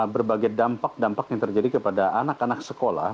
berbagai dampak dampak yang terjadi kepada anak anak sekolah